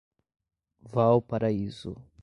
Valparaíso